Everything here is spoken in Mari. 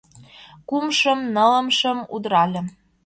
Кумшым, нылымшым удырале.